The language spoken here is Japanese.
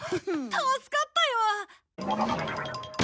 助かったよ！